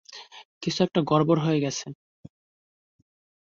কিছু একটা গড়বড় হয়ে গেছে।